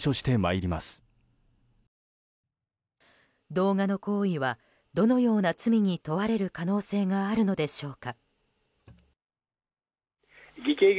動画の行為はどのような罪に問われる可能性があるのでしょうか。